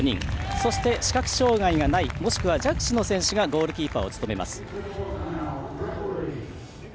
そして、視覚障がいがないもしくは弱視の選手がゴールキーパーを務めます。